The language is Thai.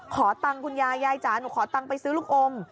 ขอตังค์คุณยายยายจ๋าหนูขอตังค์ไปซื้อลูกอม